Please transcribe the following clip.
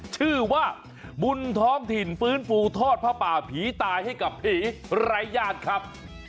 ชื่อว่าบุญท้องถิ่นฟื้นฟูทอดผ้าป่าผีตายให้กับผีไร้ญาติครับ